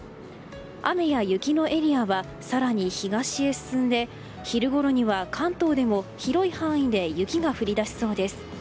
雨や雪のエリアは更に東へ進んで昼ごろには関東でも広い範囲で雪が降り出しそうです。